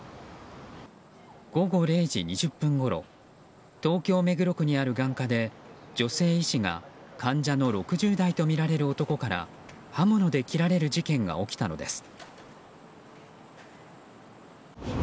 午後０時２０分ごろ東京・目黒区にある眼科で女性医師が患者の６０代とみられる男から刃物で切られる事件が起きたのです。